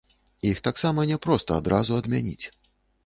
Іх таксама няпроста адразу адмяніць.